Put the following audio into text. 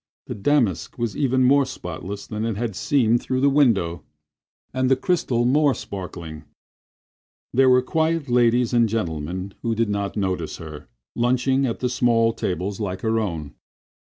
The damask was even more spotless than it had seemed through the window, and the crystal more sparkling. There were quiet ladies and gentlemen, who did not notice her, lunching at the small tables like her own.